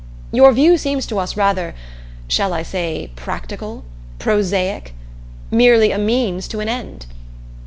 Your view seems to us rather shall I say, practical? Prosaic? Merely a means to an end!